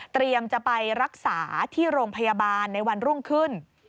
จะไปรักษาที่โรงพยาบาลในวันรุ่งขึ้น